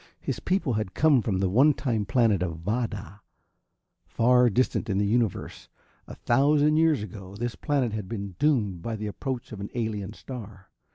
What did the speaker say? His people had come from the one time planet of Vada, far distant in the universe. A thousand years ago, this planet had been doomed by the approach of an alien star.